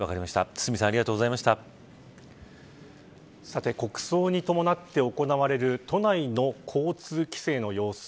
堤さんさて国葬に伴って行われる都内の交通規制の様子